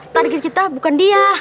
target kita bukan dia